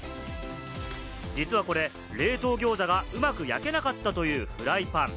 実はこれ、冷凍餃子がうまく焼けなかったというフライパン。